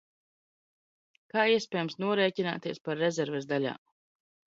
Kā iespējams norēķināties par rezerves daļām?